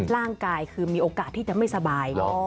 ร่างกายคือมีโอกาสที่จะไม่สบาย